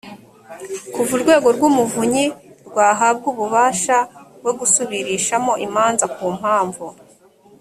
kuva urwego rw umuvunyi rwahabwa ububasha bwo gusubirishamo imanza ku mpamvu